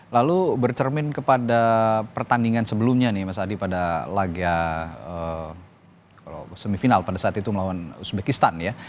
lalu bercermin kepada pertandingan sebelumnya nih mas adi pada laga semifinal pada saat itu melawan uzbekistan ya